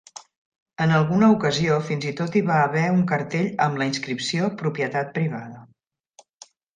En alguna ocasió fins i tot hi va haver un cartell amb la inscripció "Propietat privada".